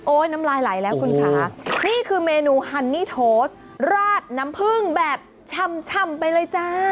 น้ำลายไหลแล้วคุณคะนี่คือเมนูฮันนี่โทสราดน้ำผึ้งแบบช่ำไปเลยจ้า